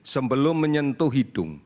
sebelum menyentuh hidung